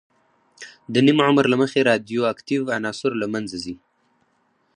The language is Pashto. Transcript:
د نیم عمر له مخې رادیواکتیو عناصر له منځه ځي.